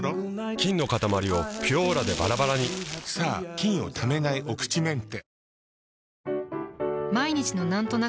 菌のかたまりを「ピュオーラ」でバラバラにさぁ菌をためないお口メンテ。